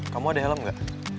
kamu ada helm gak